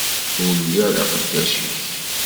Ur lliɣ d aqeddac-ik.